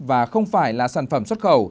và không phải là sản phẩm xuất khẩu